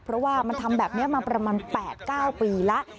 เพราะว่ามันทำแบบนี้มาประมาณ๘๙ปีแล้ว